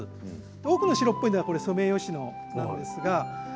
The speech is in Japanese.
奥の白っぽいのはソメイヨシノなんですが。